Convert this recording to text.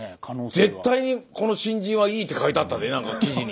「絶対にこの新人はいい」って書いてあったで何か記事に。